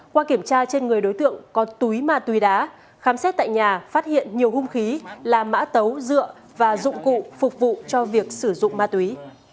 qua kiểm tra trên người đối tượng có túi ma túy đá khám xét tại nhà phát hiện nhiều hung khí là mã tấu rượu và dụng cụ phục vụ cho việc sử dụng ma túy